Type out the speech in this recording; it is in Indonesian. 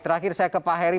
terakhir saya ke pak heri